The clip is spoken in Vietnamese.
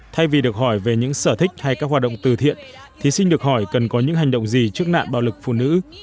thay vì được hỏi về những sở thích hay các hoạt động từ thiện thí sinh được hỏi cần có những hành động gì trước nạn bạo lực phụ nữ